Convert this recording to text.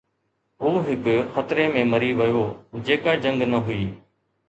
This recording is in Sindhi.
هو هڪ خطري ۾ مري ويو، جيڪا جنگ نه هئي